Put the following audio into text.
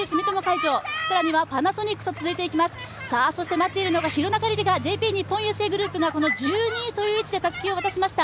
待っているのが廣中璃梨佳、ＪＰ日本郵政グループが１２位という位置でたすきを渡しました。